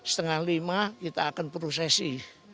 setengah lima kita akan prosesi